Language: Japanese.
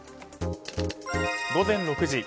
午前６時。